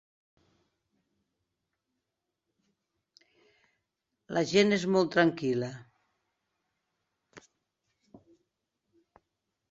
La gent és molt tranquil·la.